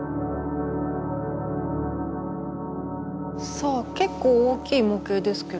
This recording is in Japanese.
さあ結構大きい模型ですけれども。